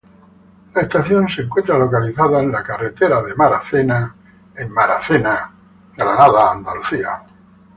La estación se encuentra localizada en Beacon Street y Hawes Street en Boston, Massachusetts.